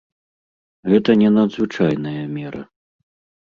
Гэта не надзвычайная мера.